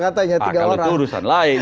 kalau itu urusan lain